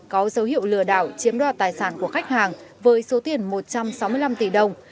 có dấu hiệu lừa đảo chiếm đoạt tài sản của khách hàng với số tiền một trăm sáu mươi năm tỷ đồng